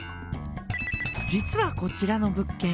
実はこちらの物件